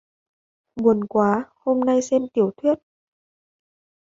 Buồn quá hôm nay xem tiểu thuyết